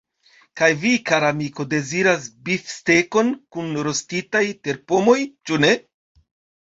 Kaj vi, kara amiko, deziras bifstekon kun rostitaj terpomoj, ĉu ne?